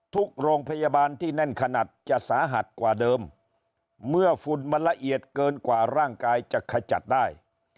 ทุกโรงพยาบาลที่แน่นขนาดจะสาหัสกว่าเดิมเมื่อฝุ่นมันละเอียดเกินกว่าร่างกายจะขจัดได้